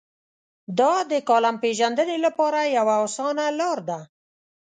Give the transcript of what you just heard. دا د کالم پېژندنې لپاره یوه اسانه لار ده.